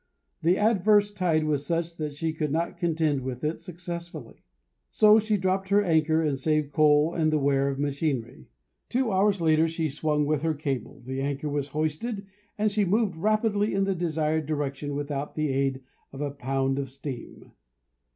The adverse tide was such that she could not contend with it successfully. So she dropped her anchor and saved coal and the wear of machinery. Two hours later she swung with her cable, the anchor was hoisted, and she moved rapidly in the desired direction without the aid of a pound of steam.